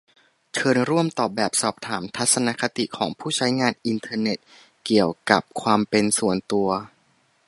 เชิญร่วมตอบแบบสอบถาม "ทัศนคติของผู้ใช้งานอินเทอร์เน็ตเกี่ยวกับความเป็นส่วนตัว"